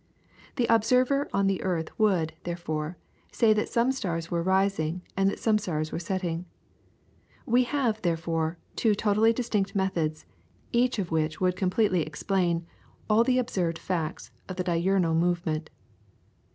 The observer on the earth would, therefore, say that some stars were rising, and that some stars were setting. We have, therefore, two totally distinct methods, each of which would completely explain all the observed facts of the diurnal movement.